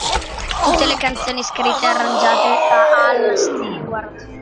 Tutte le canzoni scritte e arrangiate da Al Stewart